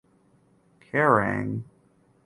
Kerrang!